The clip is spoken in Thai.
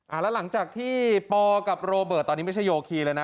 แล้วหลังจากที่ปกับโรเบิร์ตตอนนี้ไม่ใช่โยคีเลยนะ